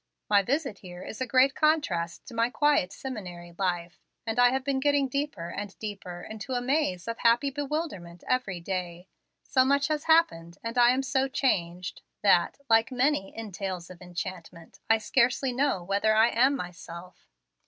My visit here is a great contrast to my quiet seminary life, and I have been getting deeper and deeper into a maze of happy bewilderment every day. So much has happened, and I am so changed, that, like many in tales of enchantment, I scarcely know whether I am myself."